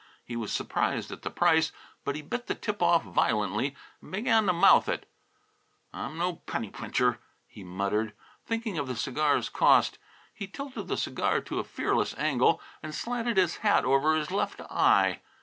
He was surprised at the price, but he bit the tip off violently and began to mouth it. "I'm no penny pincher," he muttered, thinking of the cigar's cost. He tilted the cigar to a fearless angle and slanted his hat over his left eye.